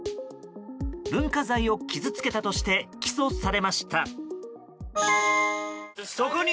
文化財を傷つけたとして起訴されました。